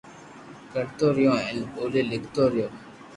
ڪرتو رھيو ھين ٻولي لکتو رھيو